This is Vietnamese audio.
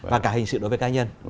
và cả hình sự đối với cá nhân